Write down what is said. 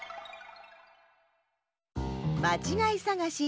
まちがいさがし２